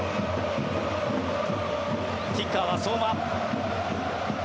キッカーは相馬。